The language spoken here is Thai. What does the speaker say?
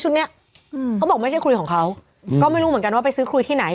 เนี้ยอืมเขาบอกไม่ใช่คุยของเขาก็ไม่รู้เหมือนกันว่าไปซื้อคุยที่ไหน